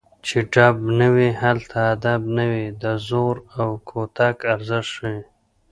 چې ډب نه وي هلته ادب نه وي د زور او کوتک ارزښت ښيي